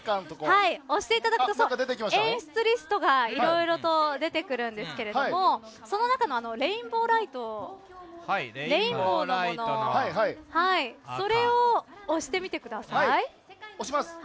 押していただくと演出リストが色々と出てくるんですけれどもその中のレインボーライトをレインボーのもの押します、赤。